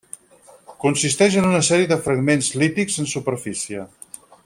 Consisteix en una sèrie de fragments lítics en superfície.